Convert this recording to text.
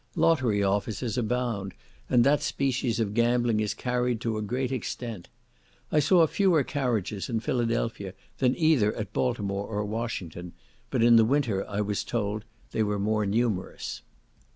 Lottery offices abound, and that species of gambling is carried to a great extent. I saw fewer carriages in Philadelphia than either at Baltimore or Washington, but in the winter I was told they were more numerous.